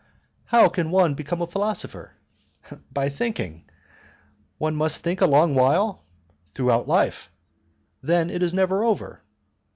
"How can one become a philosopher?" "By thinking." "Must one think a long while?" "Throughout life." "Then it is never over?"